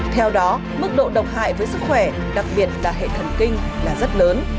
theo đó mức độ độc hại với sức khỏe đặc biệt là hệ thần kinh là rất lớn